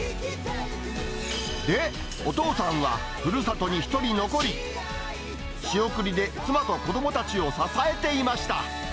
で、お父さんはふるさとに一人残り、仕送りで妻と子どもたちを支えていました。